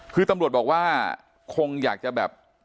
คือตำรวจบอกว่าคงอยากจะแบบ